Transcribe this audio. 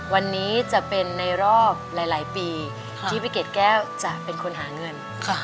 วันนี้จะเป็นในรอบหลายปีที่พี่เกดแก้วจะเป็นคนหาเงิน